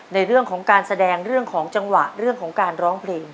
ในเรื่องของการแสดงเรื่องของจังหวะเรื่องของการร้องเพลง